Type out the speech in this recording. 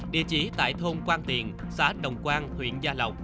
địa chỉ tại thôn quang tiền xã đồng quang huyện gia lộc